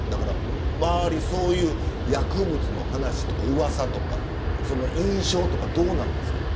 周り、そういう薬物の話とかうわさとか印象とかどうなんですか。